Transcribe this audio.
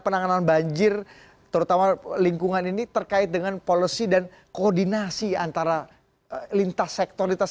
dan terutama lingkungan ini terkait dengan polosi dan koordinasi antara lintas sektoritas